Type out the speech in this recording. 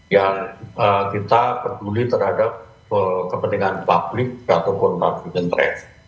yang kita peduli terhadap kepentingan publik ataupun parviden track